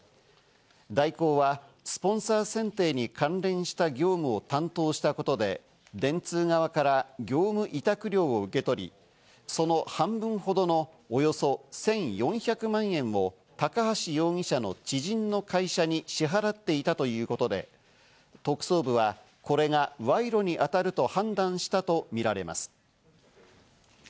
大広はスポンサー選定に関連した業務を担当したことで、電通側から業務委託料を受け取り、その半分ほどのおよそ１４００万円を高橋容疑者の知人の会社に支払っていたということで、特捜部はこれが賄賂に当たると判断したとみられます。